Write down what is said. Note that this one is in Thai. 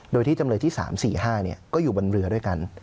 โดยที่จำเลยที่๓๔๕ก็อยู่บนเรือด้วยกัน